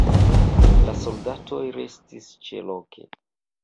La soldatoj restis ĉeloke.